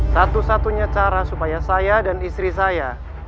satu satunya cara supaya saya dan istri saya